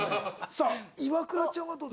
さあイワクラちゃんはどう？